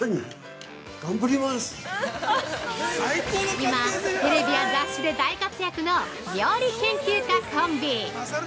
◆今、テレビや雑誌で大活躍の料理研究家コンビ。